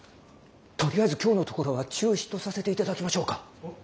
とりあえず今日のところは中止とさせていただきましょうか。